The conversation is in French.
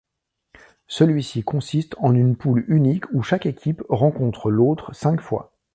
Celui-ci consiste en une poule unique où chaque équipe rencontre l'autre cinq fois.